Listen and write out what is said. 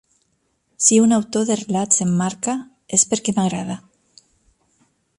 Si un autor de relats em marca, és perquè m'agrada.